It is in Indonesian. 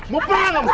mau perang kamu